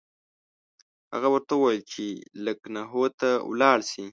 هغه ورته وویل چې لکنهو ته ولاړ شي.